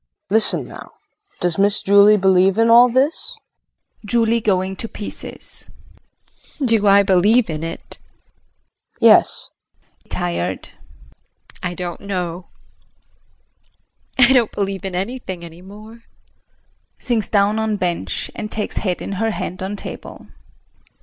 KRISTIN. Listen now. Does Miss Julie believe in all this? [Julie going to pieces.] JULIE. Do I believe in it? KRISTIN. Yes. JULIE [Tired]. I don't know. I don't believe in anything any more. [Sinks down on bench, and takes head in her hand on table.